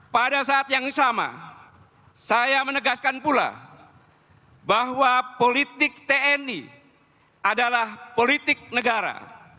pada saat yang sama saya menegaskan pula bahwa politik tni adalah politik negara